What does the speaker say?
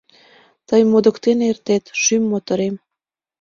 Тый модыктен эртет, шӱм моторем.